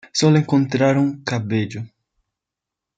Solo encontraron cabello.